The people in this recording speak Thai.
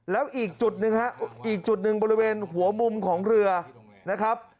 แล้วอีกจุดนึงบริเวณหัวมุมของเรือนะครับ